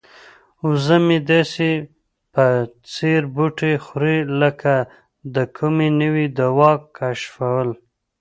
وزه مې داسې په ځیر بوټي خوري لکه د کومې نوې دوا کشفول.